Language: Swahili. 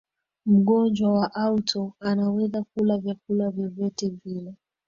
mgonjwa wa auto anaweza kula vyakula vyovyote vile